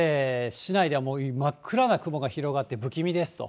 そして市内ではもう真っ暗な雲が広がって不気味ですと。